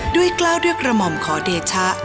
กล้าวด้วยกระหม่อมขอเดชะ